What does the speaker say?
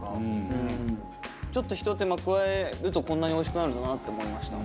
ちょっとひと手間加えるとこんなにおいしくなるんだなって思いました。